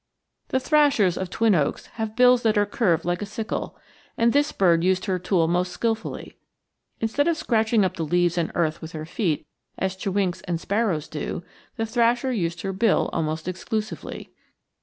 The thrashers of Twin Oaks have bills that are curved like a sickle, and this bird used her tool most skillfully. Instead of scratching up the leaves and earth with her feet as chewinks and sparrows do, the thrasher used her bill almost exclusively.